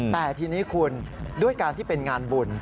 แต่ทีนี้คุณด้วยการที่เป็นงานบุญ